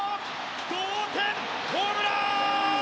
同点ホームラン！